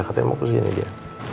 katanya mau kesini dia